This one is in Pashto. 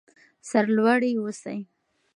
سر لوړي اوسئ.